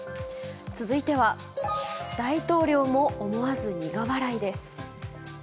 続いては大統領も思わず苦笑いです。